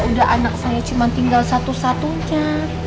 udah anak saya cuma tinggal satu satunya